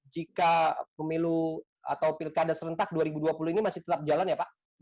jika pemilu atau pilkada serentak dua ribu dua puluh ini masih tetap jalan ya pak